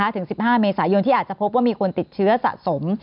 ถึง๑๕เมษายนที่อาจจะพบว่ามีคนติดเชื้อสะสม